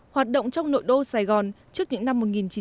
hoạt động trong nội đô sài gòn trước những năm một nghìn chín trăm bảy mươi